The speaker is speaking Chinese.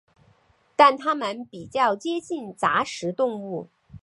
但它们比较接近杂食动物。